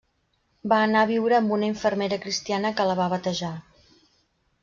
Va anar a viure amb una infermera cristiana que la va batejar.